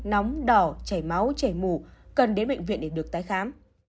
nóng đỏ chảy máu chảy mù cần đến bệnh viện để được tái khám